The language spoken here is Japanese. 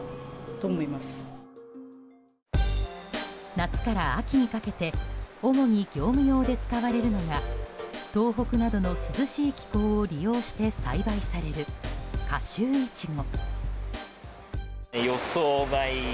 夏から秋にかけて主に業務用で使われるのが東北などの涼しい気候を利用して栽培される夏秋イチゴ。